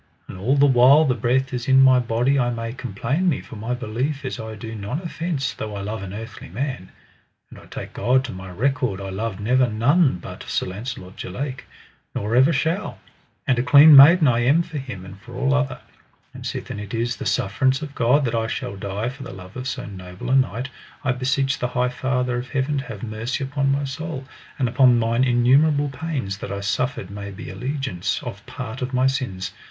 And all the while the breath is in my body I may complain me, for my belief is I do none offence though I love an earthly man; and I take God to my record I loved never none but Sir Launcelot du Lake, nor never shall, and a clean maiden I am for him and for all other; and sithen it is the sufferance of God that I shall die for the love of so noble a knight, I beseech the High Father of Heaven to have mercy upon my soul, and upon mine innumerable pains that I suffered may be allegeance of part of my sins.